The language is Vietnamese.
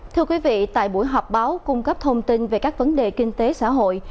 thưa quý vị tại buổi họp báo cung cấp thông tin về các vấn đề kinh tế xã hội